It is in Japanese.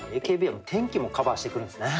ＡＫＢは天気もカバーしてくるんですね。